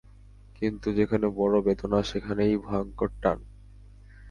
কিন্তু, যেখানে বড়ো বেদনা সেইখানেই ভয়ংকর টান।